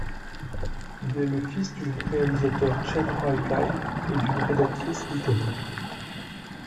Il est le fils du réalisateur Chen Huaikai et d'une rédactrice littéraire.